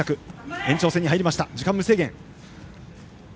延長戦に入りました、時間無制限。